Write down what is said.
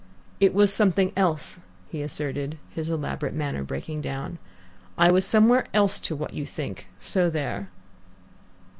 "It was something else," he asserted, his elaborate manner breaking down. "I was somewhere else to what you think, so there!"